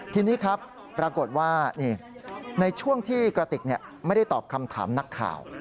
ทีนี้ครับปรากฏว่าในช่วงที่กระติกไม่ได้ตอบคำถามนักข่าว